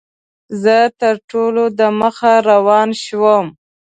زه تر ټولو دمخه روان شوم.